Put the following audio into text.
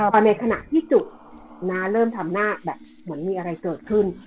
พอในขณะที่จุดน้าเริ่มทำหน้าแบบเหมือนมีอะไรเกิดขึ้น